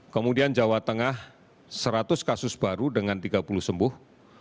kemudian jawa tengah seratus kasus baru dengan tiga puluh sembuh